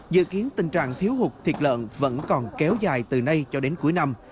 dự kiến tình trạng thiếu hụt thịt lợn vẫn còn kéo dài từ nay cho đến cuối năm